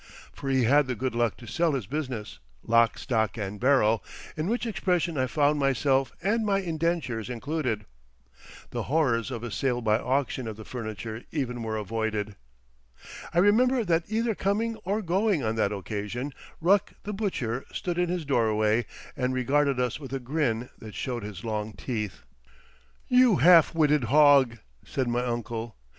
For he had the good luck to sell his business, "lock, stock, and barrel"—in which expression I found myself and my indentures included. The horrors of a sale by auction of the furniture even were avoided. I remember that either coming or going on that occasion, Ruck, the butcher, stood in his doorway and regarded us with a grin that showed his long teeth. "You half witted hog!" said my uncle.